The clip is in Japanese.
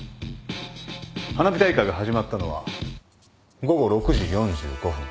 花火大会が始まったのは午後６時４５分。